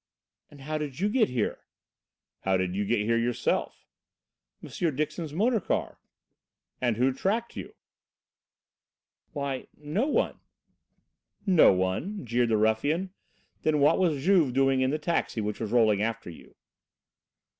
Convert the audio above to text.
"And how did you get here?" "How did you get here yourself?" "M. Dixon's motor car." "And who tracked you?" "Why no one." "No one?" jeered the ruffian. "Then what was Juve doing in the taxi which was rolling after you?"